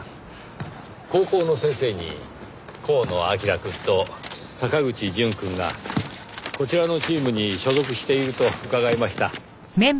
高校の先生に河野彬くんと坂口淳くんがこちらのチームに所属していると伺いました。